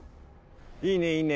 いいねいいね